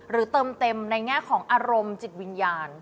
เติมเต็มในแง่ของอารมณ์จิตวิญญาณ